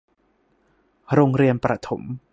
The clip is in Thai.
โรงเรียนประถม